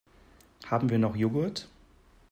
Haben wir noch Joghurt?